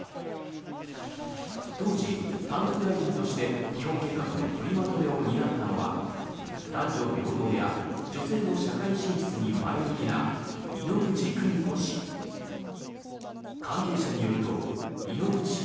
当時、担当大臣として基本計画の取りまとめを担ったのは男女平等や女性の社会進出に前向きな猪口邦子氏。